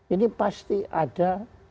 ini pasti ada